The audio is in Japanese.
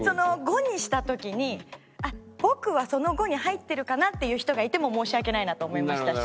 ５にした時に僕はその５に入ってるかな？っていう人がいても申し訳ないなと思いましたし。